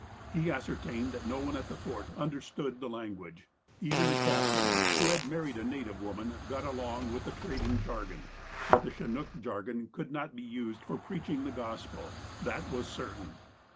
He ascertained that no one at the Fort understood the language. Even the captain, who had married a native woman, got along with the trading jargon. But the ''Chinook" jargon could not be used for preaching the Gospel ; that was certain.